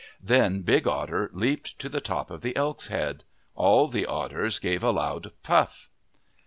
Then Big Otter leaped to the top of the elk's head. All the otters gave a loud puff.